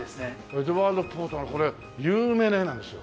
エドワード・ホッパーのこれ有名な絵なんですよ。